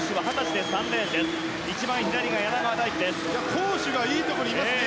コーシュがいいところにいますね。